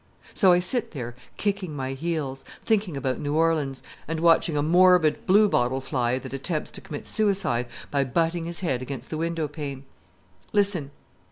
So I sit there kicking my heels, thinking about New Orleans, and watching a morbid blue bottle fly that attempts to commit suicide by butting his head against the window pane. Listen!